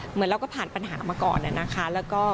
เหมือนเราก็ผ่านปัญหามาก่อนนะนะคะแล้วก็